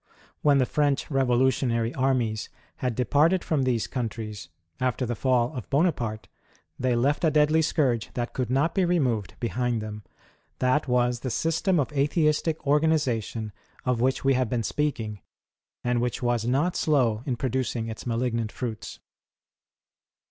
When the French revolutionary armies had departed from these countries, after the fall of Bonaparte, they left, a deadly scourge that could not be removed, behind them. That was the system of Atheistic organization of which we have been speaking, and which was not slow in producing its malignant fruits.